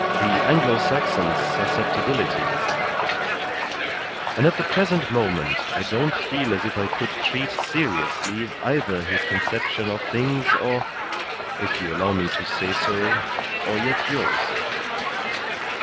the Anglo Saxon's susceptibilities, and at the present moment I don't feel as if I could treat seriously either his conception of things or if you allow me to say so or yet yours."